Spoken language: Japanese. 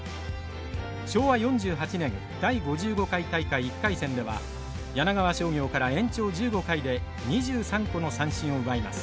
昭和４８年第５５回大会１回戦では柳川商業から延長１５回で２３個の三振を奪います。